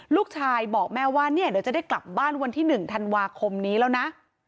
ลูกชายบอกแม่ว่าเนี่ยเดี๋ยวจะได้กลับบ้านวันที่๑ธันวาคมนี้แล้วนะ